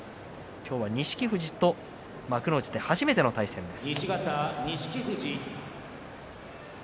今日は錦富士と幕内で初めての対戦です。